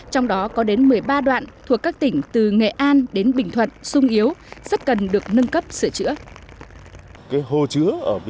trong đó có đến một mươi ba đoạn thuộc các tỉnh từ nghệ an đến bình thuận sung yếu rất cần được nâng cấp sửa chữa